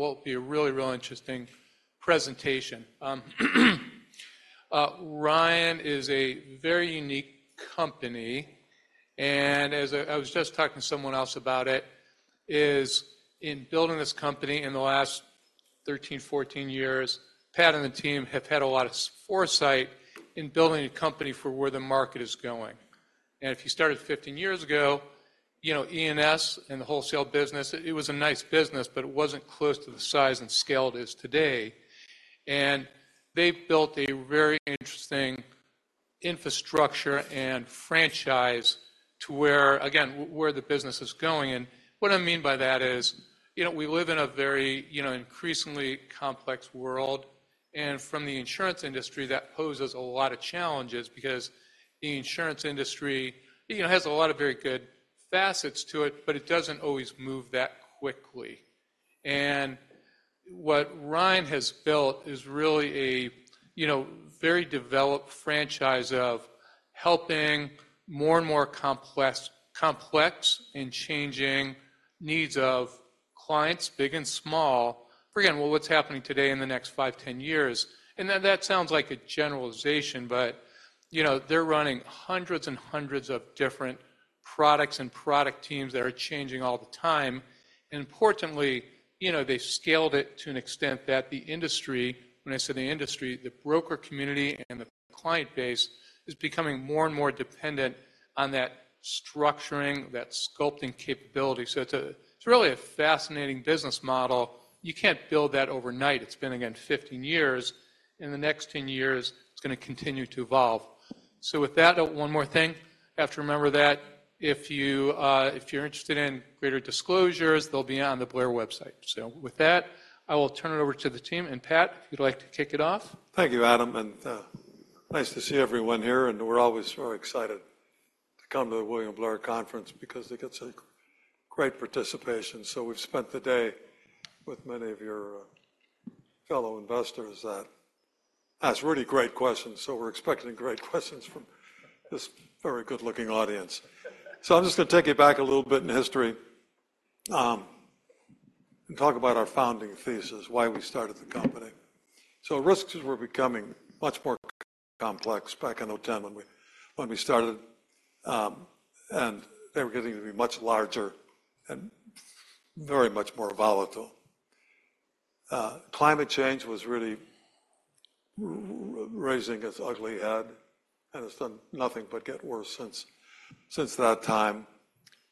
What will be a really, really interesting presentation. Ryan is a very unique company, and as I was just talking to someone else about it, is in building this company in the last 13, 14 years, Pat and the team have had a lot of foresight in building a company for where the market is going. And if you started 15 years ago, you know, E&S and the wholesale business, it was a nice business, but it wasn't close to the size and scale it is today. And they've built a very interesting infrastructure and franchise to where, again, where the business is going. What I mean by that is, you know, we live in a very, you know, increasingly complex world, and from the insurance industry, that poses a lot of challenges because the insurance industry, you know, has a lot of very good facets to it, but it doesn't always move that quickly. What Ryan has built is really a, you know, very developed franchise of helping more and more complex, complex and changing needs of clients, big and small, forgetting well, what's happening today in the next five, 10 years. That, that sounds like a generalization, but, you know, they're running hundreds and hundreds of different products and product teams that are changing all the time. And importantly, you know, they've scaled it to an extent that the industry, when I say the industry, the broker community and the client base, is becoming more and more dependent on that structuring, that sculpting capability. So it's a, it's really a fascinating business model. You can't build that overnight. It's been, again, 15 years. In the next 10 years, it's gonna continue to evolve. So with that, one more thing. I have to remember that if you, if you're interested in greater disclosures, they'll be on the Blair website. So with that, I will turn it over to the team. And Pat, if you'd like to kick it off. Thank you, Adam, and nice to see everyone here, and we're always very excited to come to the William Blair conference because they get some great participation. So we've spent the day with many of your fellow investors that ask really great questions. So we're expecting great questions from this very good-looking audience. So I'm just gonna take you back a little bit in history, and talk about our founding thesis, why we started the company. So risks were becoming much more complex back in 2010 when we started, and they were getting to be much larger and very much more volatile. Climate change was really raising its ugly head, and it's done nothing but get worse since that time.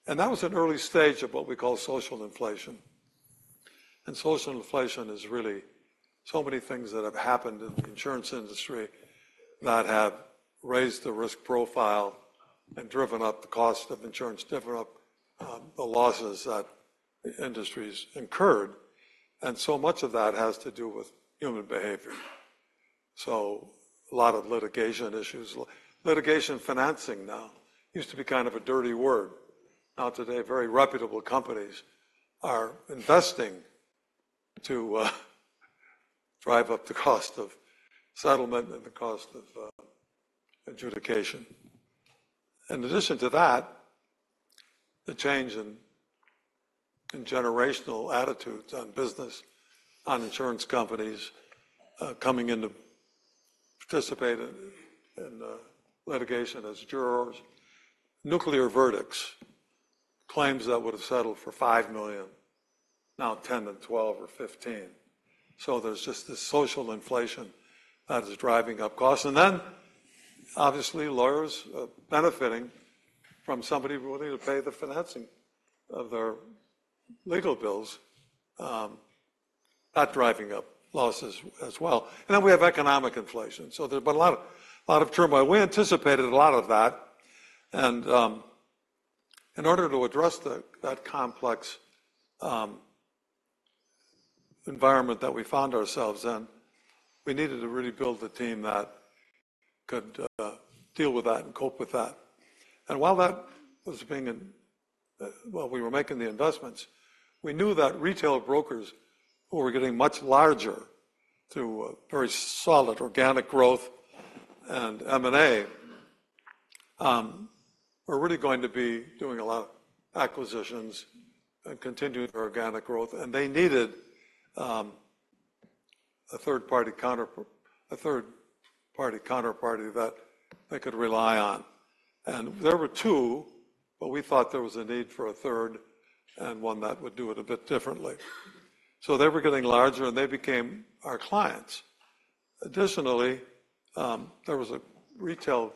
And that was an early stage of what we call social inflation. Social inflation is really so many things that have happened in the insurance industry that have raised the risk profile and driven up the cost of insurance, driven up the losses that industries incurred, and so much of that has to do with human behavior. So a lot of litigation issues. Litigation financing now used to be kind of a dirty word. Now today, very reputable companies are investing to drive up the cost of settlement and the cost of adjudication. In addition to that, the change in generational attitudes on business, on insurance companies coming in to participate in litigation as jurors. Nuclear verdicts, claims that would have settled for $5 million, now $10 million and $12 million or $15 million. So there's just this social inflation that is driving up costs. Then, obviously, lawyers are benefiting from somebody willing to pay the financing of their legal bills, that driving up losses as well. Then we have economic inflation, so there's been a lot of turmoil. We anticipated a lot of that, and in order to address that complex environment that we found ourselves in, we needed to really build a team that could deal with that and cope with that. And while we were making the investments, we knew that retail brokers, who were getting much larger through a very solid organic growth and M&A, were really going to be doing a lot of acquisitions and continuing organic growth, and they needed a third-party counterparty that they could rely on. There were two, but we thought there was a need for a third and one that would do it a bit differently. They were getting larger, and they became our clients. Additionally, there was a retail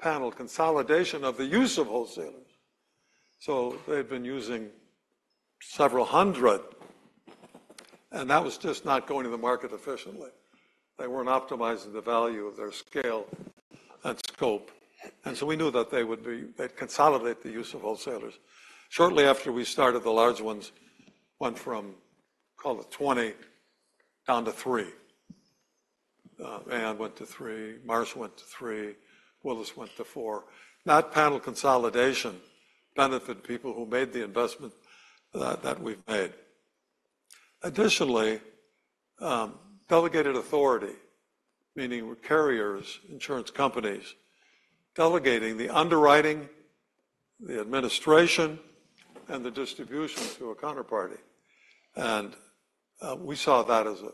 panel consolidation of the use of wholesalers. They'd been using several hundred, and that was just not going to the market efficiently. They weren't optimizing the value of their scale and scope, and so we knew that they'd consolidate the use of wholesalers. Shortly after we started, the large ones went from, call it 20, down to 3. Aon went to 3, Marsh went to 3, Willis went to 4. That panel consolidation benefited people who made the investment that, that we've made. Additionally, delegated authority, meaning carriers, insurance companies, delegating the underwriting-... the administration and the distribution to a counterparty, and we saw that as a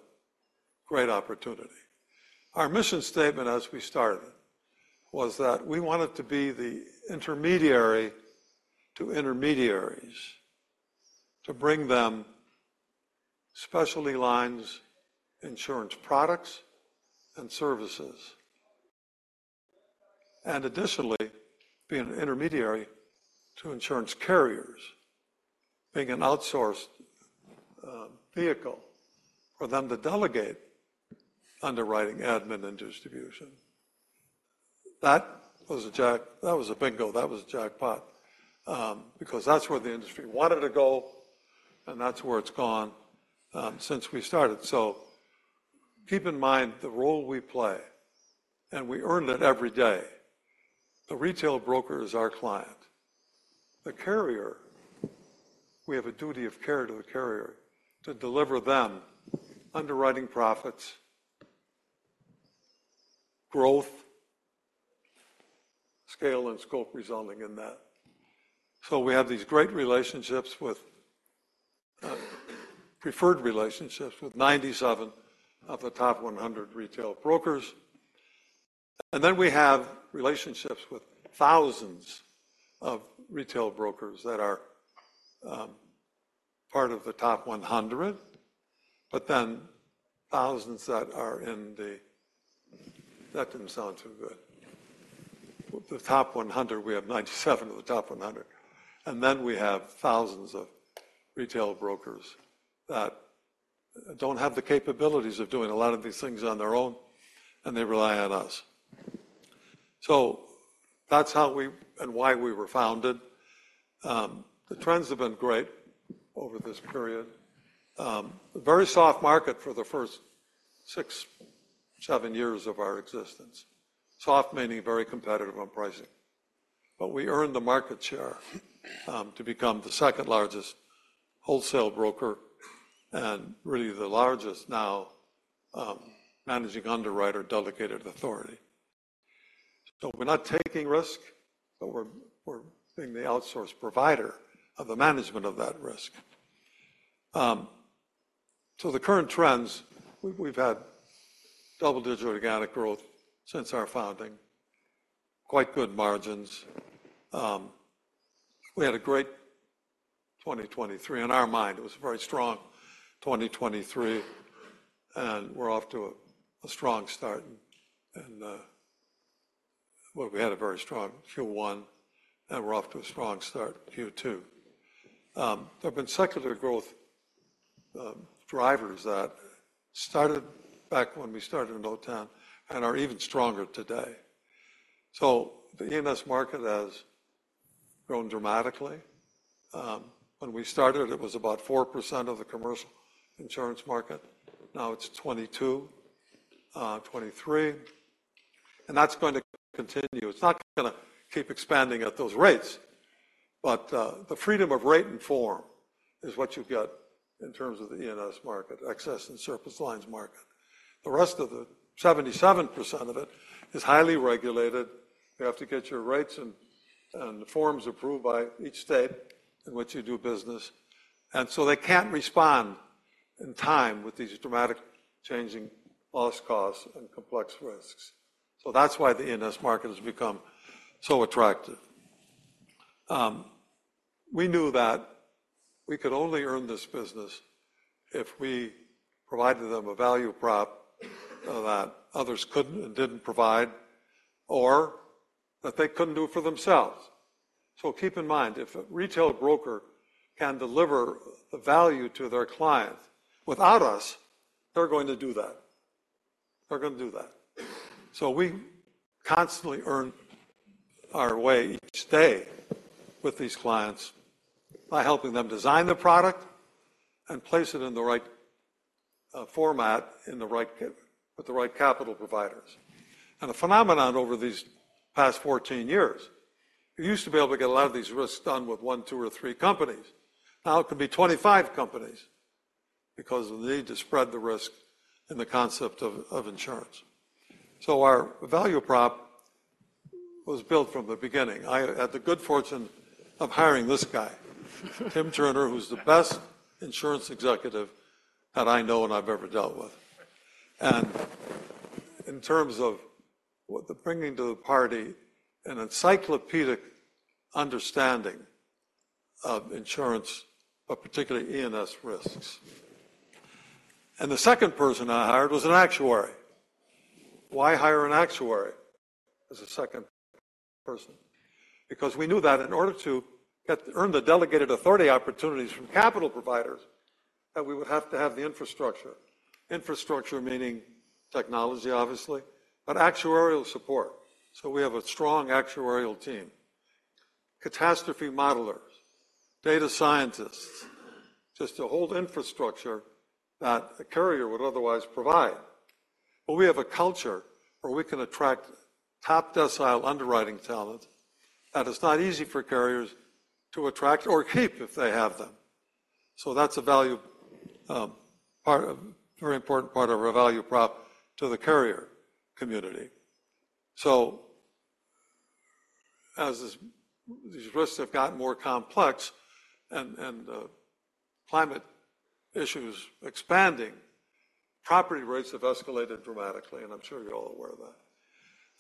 great opportunity. Our mission statement as we started, was that we wanted to be the intermediary to intermediaries, to bring them specialty lines, insurance products and services. And additionally, be an intermediary to insurance carriers, being an outsourced vehicle for them to delegate underwriting, admin, and distribution. That was a big goal. That was a jackpot, because that's where the industry wanted to go, and that's where it's gone, since we started. So keep in mind the role we play, and we earn it every day. The retail broker is our client. The carrier, we have a duty of care to the carrier to deliver them underwriting profits, growth, scale, and scope resulting in that. So we have these great relationships with preferred relationships with 97 of the top 100 retail brokers. And then we have relationships with thousands of retail brokers that are part of the top 100, but then thousands that are in the... That didn't sound too good. The top 100, we have 97 of the top 100, and then we have thousands of retail brokers that don't have the capabilities of doing a lot of these things on their own, and they rely on us. So that's how we and why we were founded. The trends have been great over this period. Very soft market for the first 6, 7 years of our existence. Soft meaning very competitive on pricing. But we earned the market share to become the second largest wholesale broker and really the largest now, managing underwriter, delegated authority. So we're not taking risk, but we're being the outsource provider of the management of that risk. So the current trends, we've had double-digit organic growth since our founding. Quite good margins. We had a great 2023. In our mind, it was a very strong 2023, and we're off to a strong start. Well, we had a very strong Q1, and we're off to a strong start, Q2. There have been secular growth drivers that started back when we started in 2010 and are even stronger today. So the E&S market has grown dramatically. When we started, it was about 4% of the commercial insurance market. Now it's 2022, 2023, and that's going to continue. It's not gonna keep expanding at those rates, but, the freedom of rate and form is what you've got in terms of the E&S market, excess and surplus lines market. The rest of the 77% of it is highly regulated. You have to get your rates and, and forms approved by each state in which you do business, and so they can't respond in time with these dramatic changing loss costs and complex risks. So that's why the E&S market has become so attractive. We knew that we could only earn this business if we provided them a value prop that others couldn't and didn't provide, or that they couldn't do for themselves. So keep in mind, if a retail broker can deliver the value to their client without us, they're going to do that. They're gonna do that. So we constantly earn our way each day with these clients by helping them design the product and place it in the right format, with the right capital providers. And the phenomenon over these past 14 years, you used to be able to get a lot of these risks done with one, two, or three companies. Now, it could be 25 companies because of the need to spread the risk in the concept of insurance. So our value prop was built from the beginning. I had the good fortune of hiring this guy, Tim Turner, who's the best insurance executive that I know and I've ever dealt with. And in terms of what he brings to the party an encyclopedic understanding of insurance, but particularly E&S risks. And the second person I hired was an actuary. Why hire an actuary as a second person? Because we knew that in order to get, earn the delegated authority opportunities from capital providers, that we would have to have the infrastructure. Infrastructure, meaning technology, obviously, but actuarial support. So we have a strong actuarial team, catastrophe modelers, data scientists, just a whole infrastructure that a carrier would otherwise provide. But we have a culture where we can attract top-decile underwriting talent, that it's not easy for carriers to attract or keep if they have them. So that's a value, part of, very important part of our value prop to the carrier community. So as this, these risks have gotten more complex and, climate issues expanding, property rates have escalated dramatically, and I'm sure you're all aware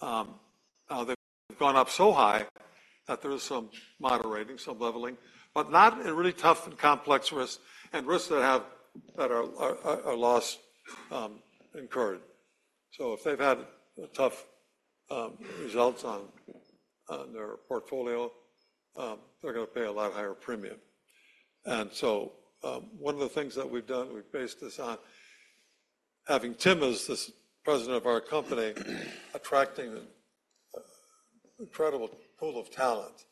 of that. They've gone up so high that there is some moderating, some leveling, but not in really tough and complex risks, and risks that are loss incurred. So if they've had tough results on their portfolio, they're gonna pay a lot higher premium. So one of the things that we've done, we've based this on having Tim as the President of our company, attracting an incredible pool of talent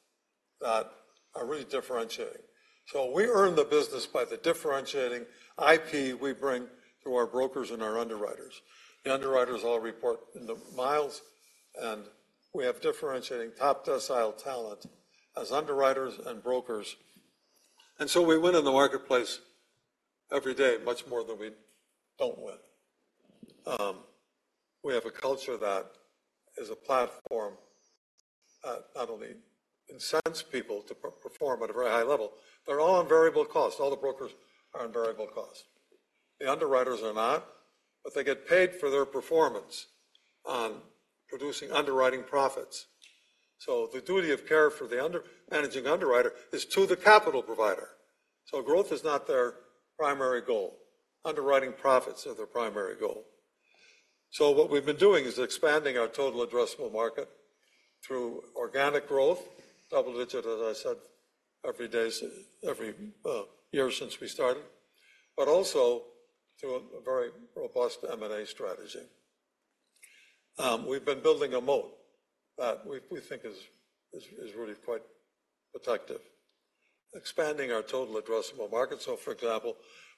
that are really differentiating. So we earn the business by the differentiating IP we bring through our brokers and our underwriters. The underwriters all report in the Miles, and we have differentiating top-decile talent as underwriters and brokers. And so we win in the marketplace every day, much more than we don't win. We have a culture that is a platform, not only incentivizes people to perform at a very high level. They're all on variable cost. All the brokers are on variable cost. The underwriters are not, but they get paid for their performance on producing underwriting profits. So the duty of care for the managing underwriter is to the capital provider. So growth is not their primary goal. Underwriting profits are their primary goal. So what we've been doing is expanding our total addressable market through organic growth, double digit, as I said, every year since we started, but also through a very robust M&A strategy. We've been building a moat that we think is really quite protective, expanding our total addressable market. So, for example,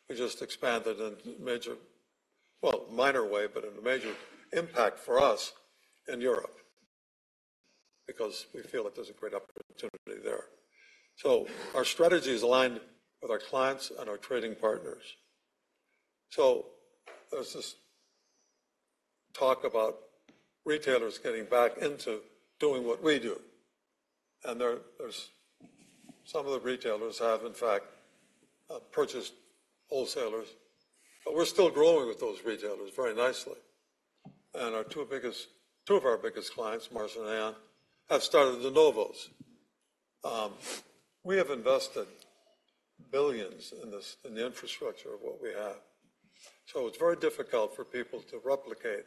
we just expanded in a major... in a minor way, but in a major impact for us in Europe, because we feel that there's a great opportunity there. So our strategy is aligned with our clients and our trading partners. So there's this talk about retailers getting back into doing what we do, and there, there's some of the retailers have, in fact, purchased wholesalers, but we're still growing with those retailers very nicely. And our two biggest, two of our biggest clients, Marsh & McLennan, have started de novos. We have invested $ billions in this, in the infrastructure of what we have, so it's very difficult for people to replicate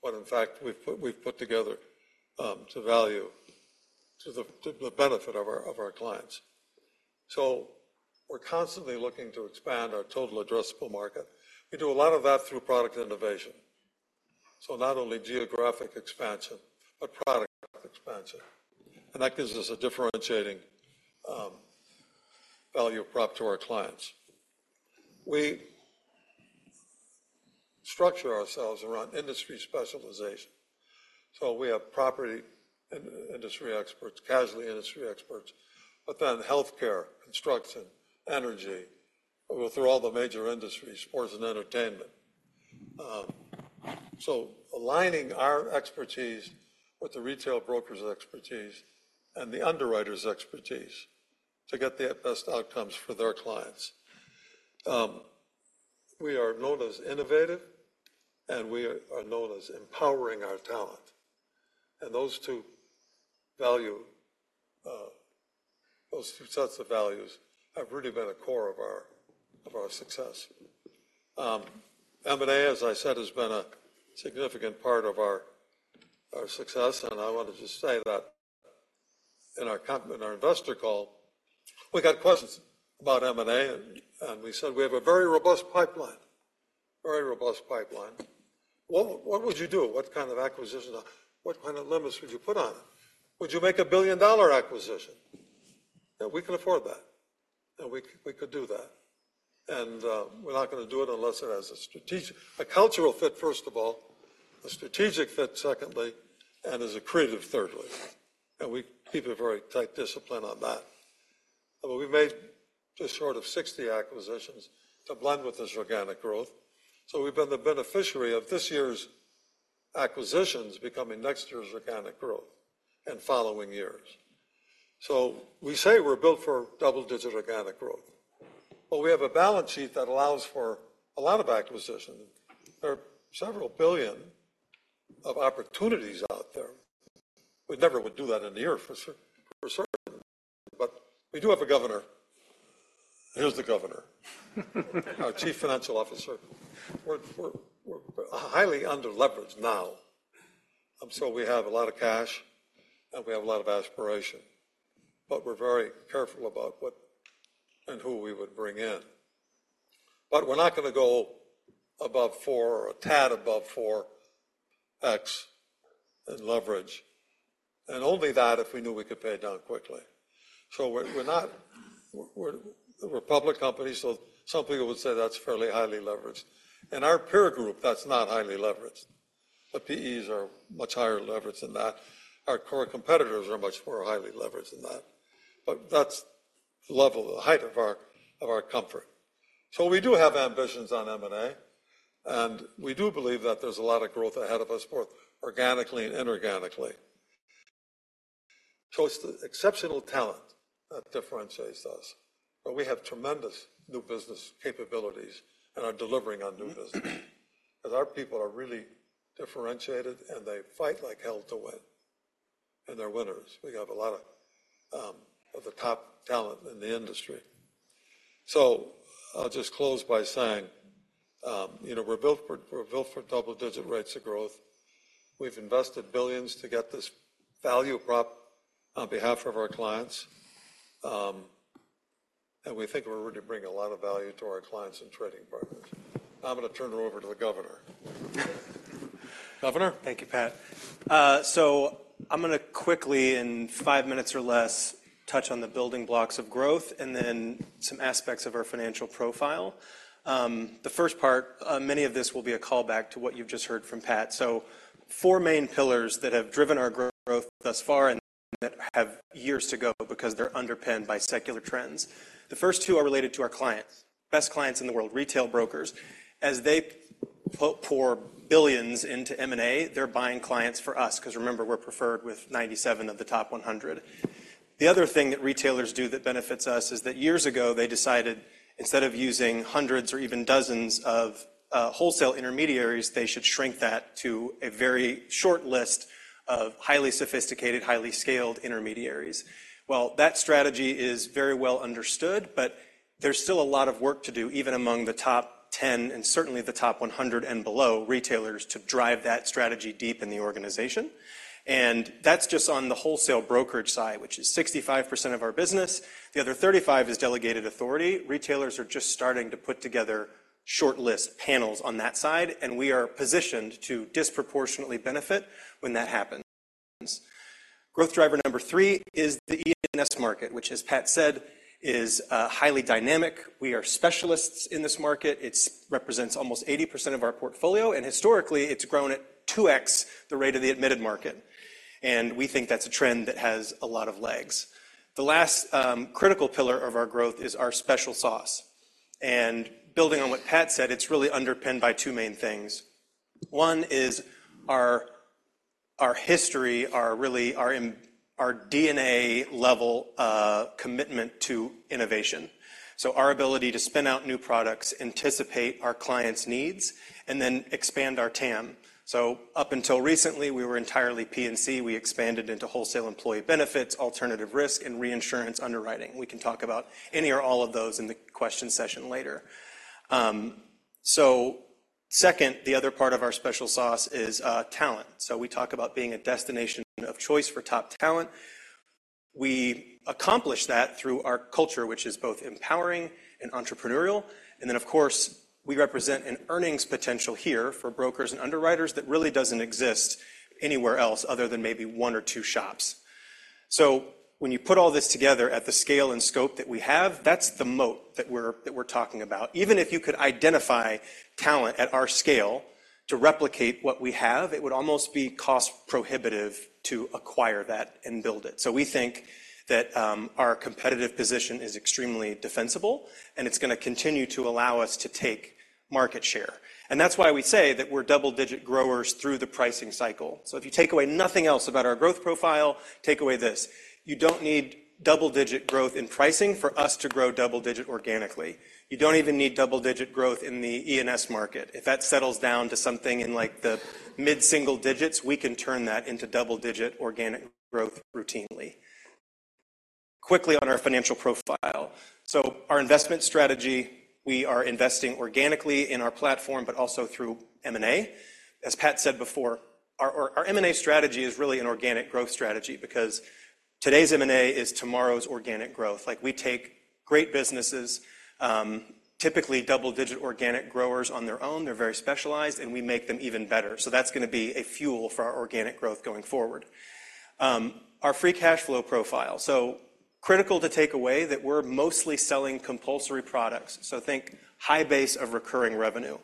what, in fact, we've put, we've put together, to value, to the, to the benefit of our, of our clients. So we're constantly looking to expand our total addressable market. We do a lot of that through product innovation. So not only geographic expansion, but product expansion, and that gives us a differentiating value prop to our clients. We structure ourselves around industry specialization, so we have property industry experts, casualty industry experts, but then healthcare, construction, energy. We go through all the major industries, sports and entertainment. So aligning our expertise with the retail brokers' expertise and the underwriters' expertise to get the best outcomes for their clients. We are known as innovative, and we are known as empowering our talent, and those two value those two sets of values have really been a core of our success. M&A, as I said, has been a significant part of our success, and I wanted to say that in our investor call, we got questions about M&A, and we said we have a very robust pipeline, very robust pipeline. Well, what would you do? What kind of acquisitions, or what kind of limits would you put on it? Would you make a billion-dollar acquisition? Yeah, we can afford that, and we could do that. And we're not gonna do it unless it has a cultural fit, first of all, a strategic fit, secondly, and is accretive, thirdly. And we keep a very tight discipline on that. But we've made just short of 60 acquisitions to blend with this organic growth. So we've been the beneficiary of this year's acquisitions becoming next year's organic growth, and following years. So we say we're built for double-digit organic growth, but we have a balance sheet that allows for a lot of acquisition. There are several billion of opportunities out there. We never would do that in a year, for certain, but we do have a governor. Here's the governor, our Chief Financial Officer. We're highly underleveraged now. So we have a lot of cash, and we have a lot of aspiration, but we're very careful about what and who we would bring in. But we're not gonna go above 4, a tad above 4x in leverage, and only that if we knew we could pay it down quickly. So we're not. We're a public company, so some people would say that's fairly highly leveraged. In our peer group, that's not highly leveraged. The PEs are much higher leverage than that. Our core competitors are much more highly leveraged than that, but that's the level, the height of our, of our comfort. So we do have ambitions on M&A, and we do believe that there's a lot of growth ahead of us, both organically and inorganically. So it's the exceptional talent that differentiates us, but we have tremendous new business capabilities and are delivering on new business. 'Cause our people are really differentiated, and they fight like hell to win, and they're winners. We have a lot of, of the top talent in the industry. So I'll just close by saying, you know, we're built for, we're built for double-digit rates of growth. We've invested billions to get this value prop on behalf of our clients, and we think we're ready to bring a lot of value to our clients and trading partners. Now I'm gonna turn it over to the governor. Governor? Thank you, Pat. So I'm gonna quickly, in five minutes or less, touch on the building blocks of growth and then some aspects of our financial profile. The first part, many of this will be a call back to what you've just heard from Pat. So four main pillars that have driven our growth thus far and that have years to go because they're underpinned by secular trends. The first two are related to our clients. Best clients in the world, retail brokers. As they pour billions into M&A, they're buying clients for us 'cause remember, we're preferred with 97 of the top 100. The other thing that retailers do that benefits us is that years ago, they decided instead of using hundreds or even dozens of wholesale intermediaries, they should shrink that to a very short list of highly sophisticated, highly scaled intermediaries. Well, that strategy is very well understood, but there's still a lot of work to do, even among the top 10 and certainly the top 100 and below retailers, to drive that strategy deep in the organization, and that's just on the wholesale brokerage side, which is 65% of our business. The other 35 is delegated authority. Retailers are just starting to put together short list panels on that side, and we are positioned to disproportionately benefit when that happens. Growth driver number 3 is the E&S market, which, as Pat said, is highly dynamic. We are specialists in this market. It's represents almost 80% of our portfolio, and historically, it's grown at 2x the rate of the admitted market, and we think that's a trend that has a lot of legs. The last critical pillar of our growth is our special sauce, and building on what Pat said, it's really underpinned by two main things. One is our history, our really our DNA-level commitment to innovation. So our ability to spin out new products, anticipate our clients' needs, and then expand our TAM. So up until recently, we were entirely P&C. We expanded into wholesale employee benefits, alternative risk, and reinsurance underwriting. We can talk about any or all of those in the question session later. So second, the other part of our special sauce is talent. So we talk about being a destination of choice for top talent. We accomplish that through our culture, which is both empowering and entrepreneurial, and then, of course, we represent an earnings potential here for brokers and underwriters that really doesn't exist anywhere else other than maybe one or two shops. So when you put all this together at the scale and scope that we have, that's the moat that we're, that we're talking about. Even if you could identify talent at our scale to replicate what we have, it would almost be cost prohibitive to acquire that and build it. So we think that our competitive position is extremely defensible, and it's gonna continue to allow us to take market share. That's why we say that we're double-digit growers through the pricing cycle. So if you take away nothing else about our growth profile, take away this: You don't need double-digit growth in pricing for us to grow double-digit organically. You don't even need double-digit growth in the E&S market. If that settles down to something in, like, the mid-single digits, we can turn that into double-digit organic growth routinely. Quickly on our financial profile, so our investment strategy, we are investing organically in our platform but also through M&A. As Pat said before, our M&A strategy is really an organic growth strategy because today's M&A is tomorrow's organic growth. Like, we take great businesses, typically double-digit organic growers on their own, they're very specialized, and we make them even better. So that's gonna be a fuel for our organic growth going forward. Our free cash flow profile, so critical to take away that we're mostly selling compulsory products, so think high base of recurring revenue.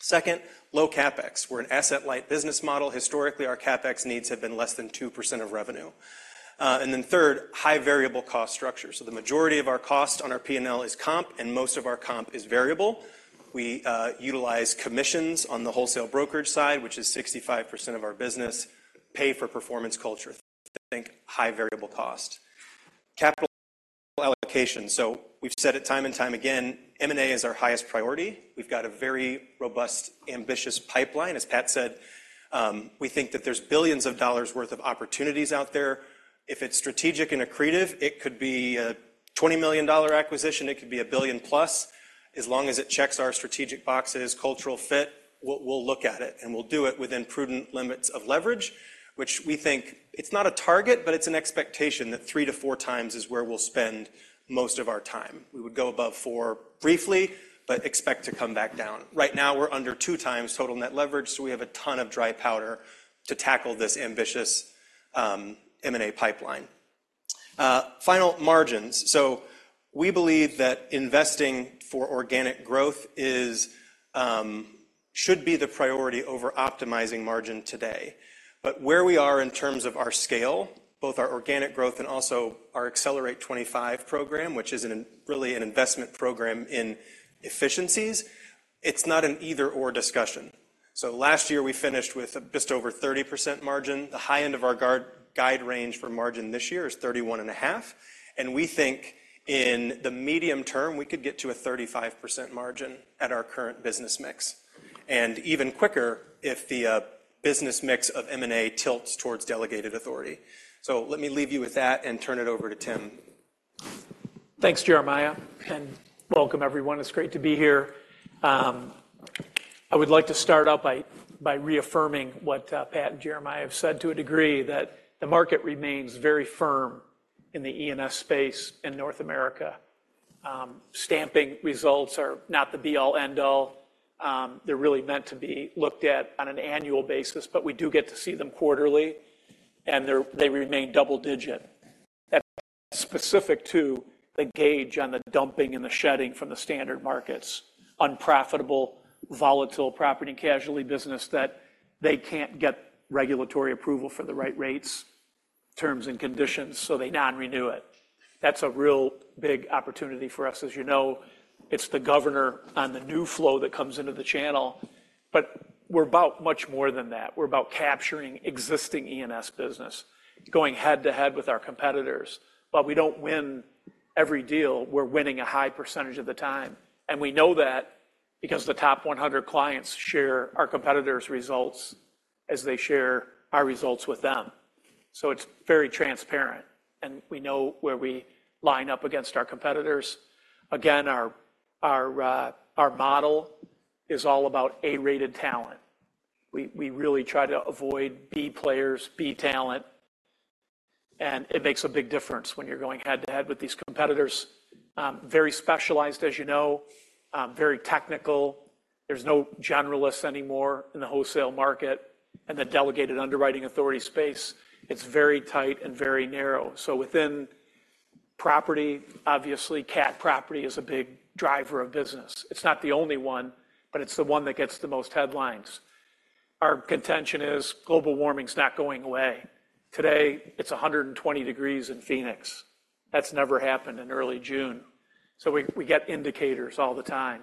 Second, low CapEx. We're an asset-light business model. Historically, our CapEx needs have been less than 2% of revenue. And then third, high variable cost structure. So the majority of our cost on our P&L is comp, and most of our comp is variable. We utilize commissions on the wholesale brokerage side, which is 65% of our business, pay-for-performance culture. Think high variable cost. Capital allocation. So we've said it time and time again, M&A is our highest priority. We've got a very robust, ambitious pipeline. As Pat said, we think that there's billions of dollars worth of opportunities out there. If it's strategic and accretive, it could be a $20 million acquisition, it could be a billion-plus. As long as it checks our strategic boxes, cultural fit, we'll, we'll look at it, and we'll do it within prudent limits of leverage, which we think it's not a target, but it's an expectation that 3-4 times is where we'll spend most of our time. We would go above 4 briefly, but expect to come back down. Right now, we're under 2 times total net leverage, so we have a ton of dry powder to tackle this ambitious M&A pipeline. Final margins. So we believe that investing for organic growth is, should be the priority over optimizing margin today. But where we are in terms of our scale, both our organic growth and also our Accelerate 2025 program, which is really an investment program in efficiencies, it's not an either/or discussion. So last year, we finished with just over 30% margin. The high end of our guide range for margin this year is 31.5, and we think in the medium term, we could get to a 35% margin at our current business mix, and even quicker if the business mix of M&A tilts towards delegated authority. So let me leave you with that and turn it over to Tim. Thanks, Jeremiah, and welcome, everyone. It's great to be here. I would like to start out by reaffirming what Pat and Jeremiah have said to a degree, that the market remains very firm in the E&S space in North America. Stamping results are not the be-all, end-all. They're really meant to be looked at on an annual basis, but we do get to see them quarterly, and they remain double digit. That's specific to the gauge on the dumping and the shedding from the standard markets, unprofitable, volatile, property, and casualty business that they can't get regulatory approval for the right rates, terms, and conditions, so they non-renew it. That's a real big opportunity for us. As you know, it's the governor on the new flow that comes into the channel, but we're about much more than that. We're about capturing existing E&S business, going head-to-head with our competitors. While we don't win every deal, we're winning a high percentage of the time, and we know that because the top 100 clients share our competitors' results as they share our results with them. So it's very transparent, and we know where we line up against our competitors. Again, our, our, our model is all about A-rated talent. We, we really try to avoid B players, B talent, and it makes a big difference when you're going head-to-head with these competitors. Very specialized, as you know, very technical. There's no generalists anymore in the wholesale market and the delegated underwriting authority space. It's very tight and very narrow. So within property, obviously, cat property is a big driver of business. It's not the only one, but it's the one that gets the most headlines. Our contention is global warming's not going away. Today, it's 120 degrees in Phoenix. That's never happened in early June. So we get indicators all the time.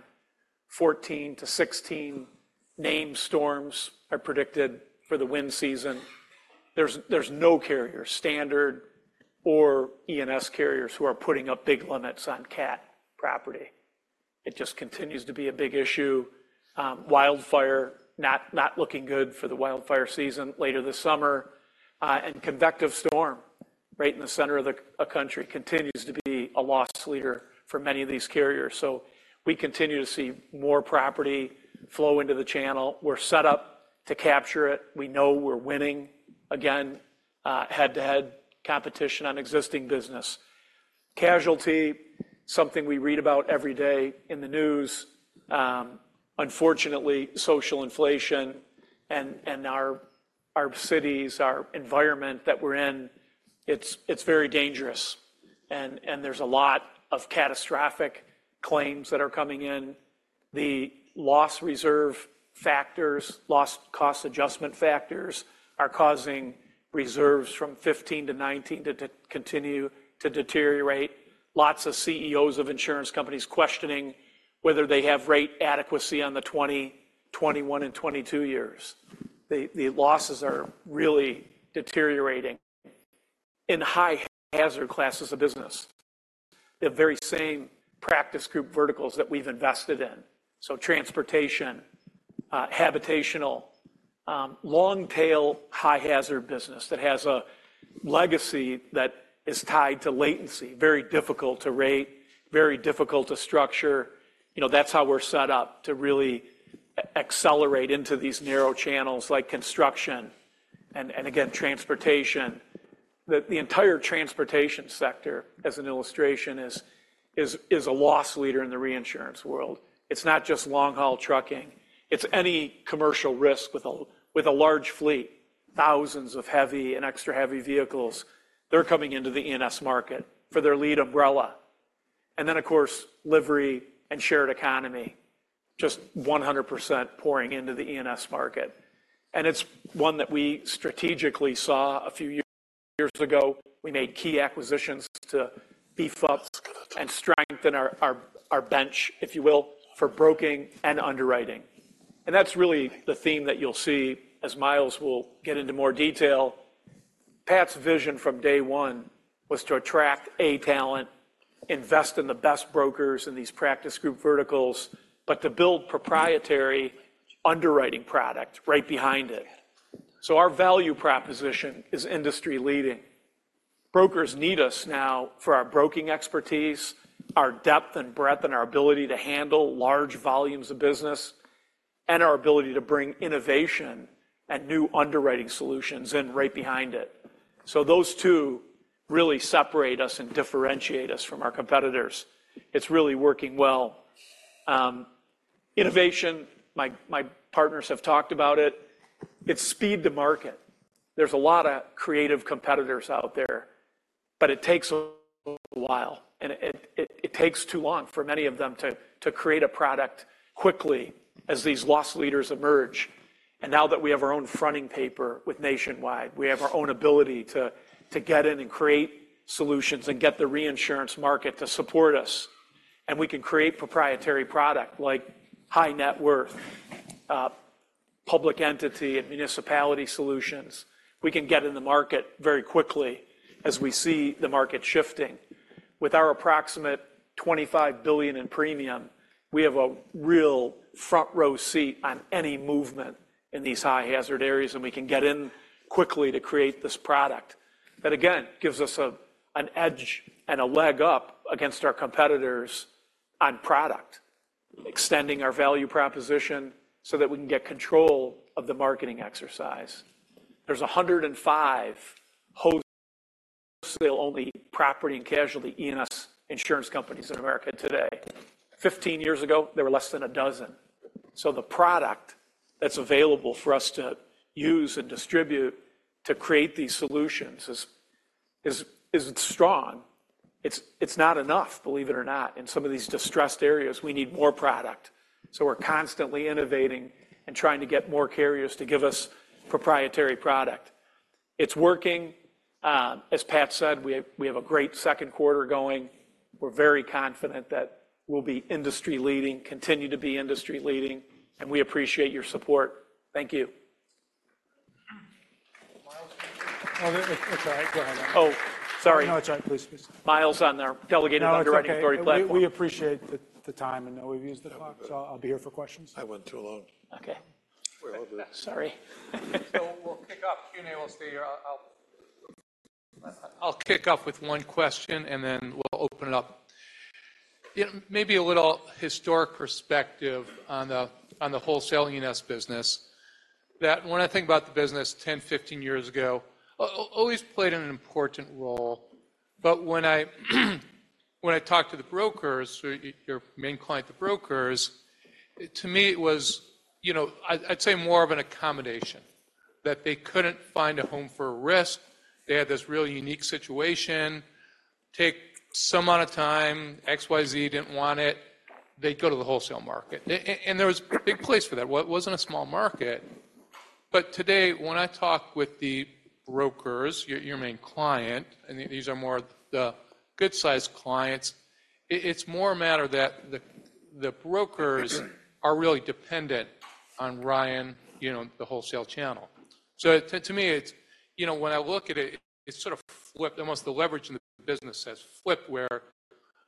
14-16 named storms are predicted for the wind season. There's no carrier, standard or E&S carriers, who are putting up big limits on cat property. It just continues to be a big issue. Wildfire, not looking good for the wildfire season later this summer. And convective storm, right in the center of the country, continues to be a loss leader for many of these carriers. So we continue to see more property flow into the channel. We're set up to capture it. We know we're winning again, head-to-head competition on existing business. Casualty, something we read about every day in the news. Unfortunately, social inflation and our cities, our environment that we're in, it's very dangerous, and there's a lot of catastrophic claims that are coming in. The loss reserve factors, loss cost adjustment factors, are causing reserves from 15-19 to continue to deteriorate. Lots of CEOs of insurance companies questioning whether they have rate adequacy on the 2020, 2021, and 2022 years. The losses are really deteriorating in high-hazard classes of business, the very same practice group verticals that we've invested in. So transportation, habitational, long-tail, high-hazard business that has a legacy that is tied to latency, very difficult to rate, very difficult to structure. You know, that's how we're set up to really accelerate into these narrow channels like construction and again, transportation. The entire transportation sector, as an illustration, is a loss leader in the reinsurance world. It's not just long-haul trucking. It's any commercial risk with a large fleet, thousands of heavy and extra-heavy vehicles. They're coming into the E&S market for their lead umbrella. And then, of course, livery and shared economy, just 100% pouring into the E&S market. And it's one that we strategically saw a few years ago. We made key acquisitions to beef up and strengthen our bench, if you will, for broking and underwriting. And that's really the theme that you'll see as Miles will get into more detail. Pat's vision from day one was to attract A talent, invest in the best brokers in these practice group verticals, but to build proprietary underwriting product right behind it. So our value proposition is industry-leading. Brokers need us now for our broking expertise, our depth and breadth, and our ability to handle large volumes of business, and our ability to bring innovation and new underwriting solutions in right behind it. So those two really separate us and differentiate us from our competitors. It's really working well. Innovation, my partners have talked about it. It's speed to market. There's a lot of creative competitors out there, but it takes a while, and it takes too long for many of them to create a product quickly as these loss leaders emerge. And now that we have our own fronting paper with Nationwide, we have our own ability to get in and create solutions and get the reinsurance market to support us. And we can create proprietary product, like high net worth public entity and municipality solutions. We can get in the market very quickly as we see the market shifting. With our approximate $25 billion in premium, we have a real front-row seat on any movement in these high-hazard areas, and we can get in quickly to create this product. That, again, gives us an edge and a leg up against our competitors on product, extending our value proposition so that we can get control of the marketing exercise. There's 105 wholesale-only property and casualty E&S insurance companies in America today. 15 years ago, there were less than a dozen. So the product that's available for us to use and distribute to create these solutions is strong. It's not enough, believe it or not. In some of these distressed areas, we need more product. So we're constantly innovating and trying to get more carriers to give us proprietary product. It's working. As Pat said, we have, we have a great second quarter going. We're very confident that we'll be industry-leading, continue to be industry-leading, and we appreciate your support. Thank you. Miles. Oh, it's all right. Go ahead. Oh, sorry. No, it's all right. Please, please. Miles on there, delegating on the regulatory platform. No, that's okay. We appreciate the time, and I know we've used the clock, so I'll be here for questions. I went too long. Okay. We're over that. Sorry. So we'll kick off Q&A. We'll see. I'll kick off with one question, and then we'll open it up. You know, maybe a little historic perspective on the, on the wholesaling E&S business, that when I think about the business 10, 15 years ago, always played an important role, but when I, when I talked to the brokers, so your, your main client, the brokers, to me, it was, you know, I'd say more of an accommodation, that they couldn't find a home for a risk. They had this really unique situation. Take some amount of time, XYZ didn't want it, they'd go to the wholesale market. And there was a big place for that. Well, it wasn't a small market, but today, when I talk with the brokers, your, your main client, and the- these are more the good-sized clients, it, it's more a matter that the, the brokers are really dependent on Ryan, you know, the wholesale channel. So to, to me, it's, you know, when I look at it, it sort of flipped. Almost the leverage in the business has flipped, where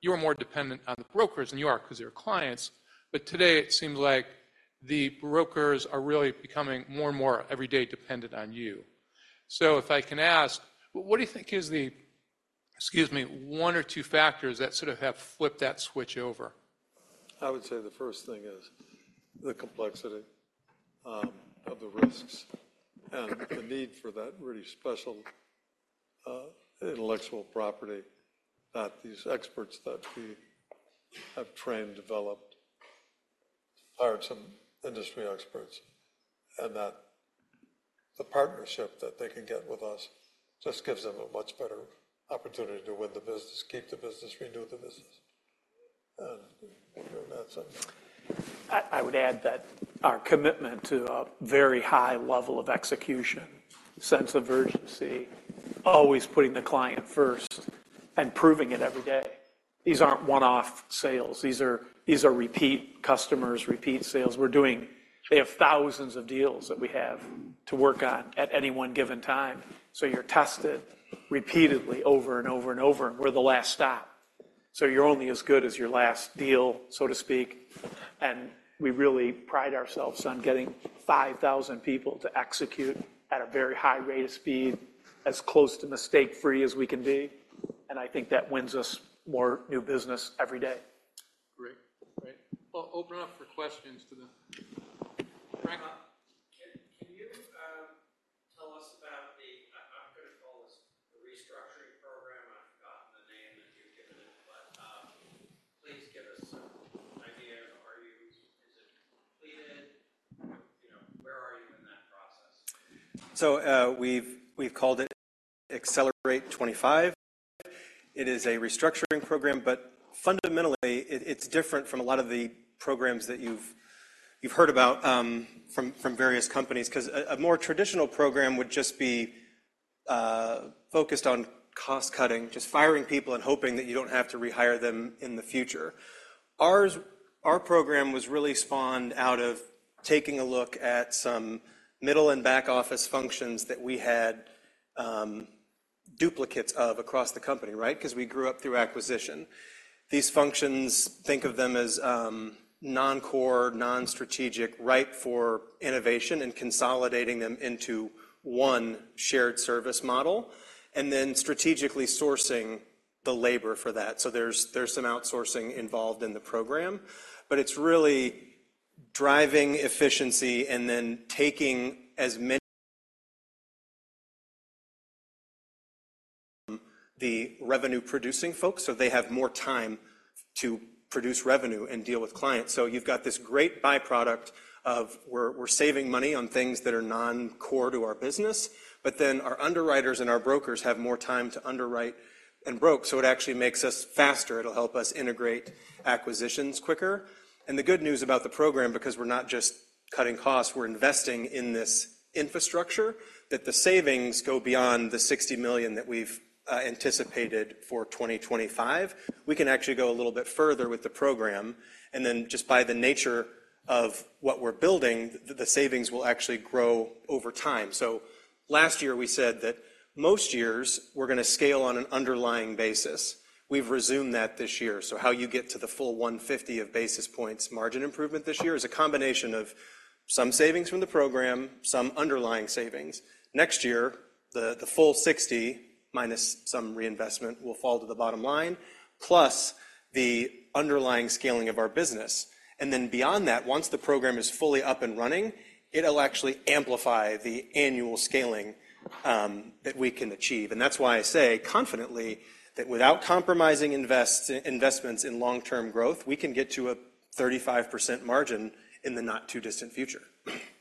you're more dependent on the brokers than you are because they're clients, but today it seems like the brokers are really becoming more and more everyday dependent on you. So if I can ask, what do you think is the, excuse me, one or two factors that sort of have flipped that switch over? I would say the first thing is the complexity of the risks and the need for that really special intellectual property that these experts that we have trained, developed, hired some industry experts, and that the partnership that they can get with us just gives them a much better opportunity to win the business, keep the business, renew the business. That's it. I would add that our commitment to a very high level of execution, sense of urgency, always putting the client first and proving it every day. These aren't one-off sales. These are repeat customers, repeat sales. We're doing. We have thousands of deals that we have to work on at any one given time, so you're tested repeatedly over and over and over, and we're the last stop. So you're only as good as your last deal, so to speak, and we really pride ourselves on getting 5,000 people to execute at a very high rate of speed, as close to mistake-free as we can be, and I think that wins us more new business every day. Great. Great. Well, open up for questions to the... Frank. Can you tell us about the restructuring program? I've forgotten the name that you've given it, but please give us some idea. Are you? Is it completed? You know, where are you in that process? So, we've, we've called it Accelerate 2025. It is a restructuring program, but fundamentally it, it's different from a lot of the programs that you've, you've heard about, from various companies because a more traditional program would just be focused on cost-cutting, just firing people and hoping that you don't have to rehire them in the future. Our program was really spawned out of taking a look at some middle and back office functions that we had, duplicates of across the company, right? Because we grew up through acquisition. These functions, think of them as, non-core, non-strategic, ripe for innovation and consolidating them into one shared service model, and then strategically sourcing the labor for that. So there's, there's some outsourcing involved in the program, but it's really driving efficiency and then taking as many-... The revenue producing folks, so they have more time to produce revenue and deal with clients. So you've got this great byproduct of we're, we're saving money on things that are non-core to our business, but then our underwriters and our brokers have more time to underwrite and broker, so it actually makes us faster. It'll help us integrate acquisitions quicker. The good news about the program, because we're not just cutting costs, we're investing in this infrastructure, that the savings go beyond the $60 million that we've anticipated for 2025. We can actually go a little bit further with the program, and then just by the nature of what we're building, the, the savings will actually grow over time. Last year, we said that most years we're going to scale on an underlying basis. We've resumed that this year. So how you get to the full 150 basis points margin improvement this year is a combination of some savings from the program, some underlying savings. Next year, the full 60 minus some reinvestment will fall to the bottom line, plus the underlying scaling of our business. And then beyond that, once the program is fully up and running, it'll actually amplify the annual scaling that we can achieve. And that's why I say confidently that without compromising investments in long-term growth, we can get to a 35% margin in the not-too-distant future. Over there. Hey, guys, can I just follow up on that?